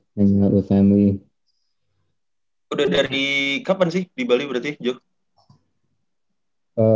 udah dari kapan sih di bali berarti joke